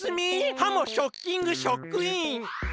ハモショッキングショックイン！